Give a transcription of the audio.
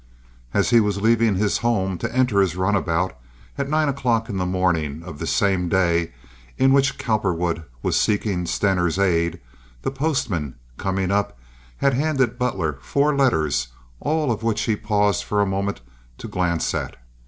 As he was leaving his home to enter his runabout, at nine o'clock in the morning of this same day in which Cowperwood was seeking Stener's aid, the postman, coming up, had handed Butler four letters, all of which he paused for a moment to glance at.